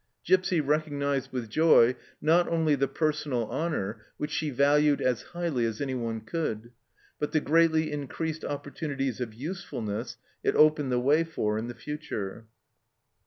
Gipsy recognized with joy, not only the personal honour, which she valued as highly as anyone could, but the greatly increased opportunities of usefulness it opened the way for in the future.